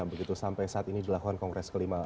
begitu sampai saat ini dilakukan kongres kelima